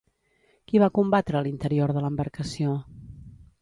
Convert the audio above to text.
Qui va combatre a l'interior de l'embarcació?